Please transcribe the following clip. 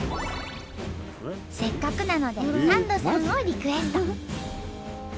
せっかくなのでサンドさんをリクエスト！